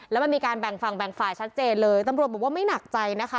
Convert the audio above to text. แล้วมันมีการแบ่งฝั่งแบ่งฝ่ายชัดเจนเลยตำรวจบอกว่าไม่หนักใจนะคะ